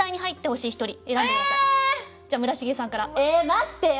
じゃあ村重さんから。え待ってよ！